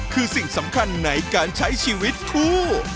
คือสิ่งสำคัญในการใช้ชีวิตคู่